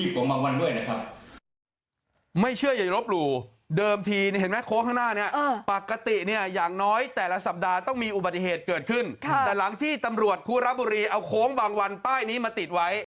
โค้งข้างหน้าเนี่ยเออปกติเนี่ยอย่างน้อยแต่ละสัปดาห์ต้องมีอุบัติเหตุเกิดขึ้นค่ะแต่หลังที่ตำรวชครับบุรีเอาโค้งบางวันป้ายนี้มาติดไว้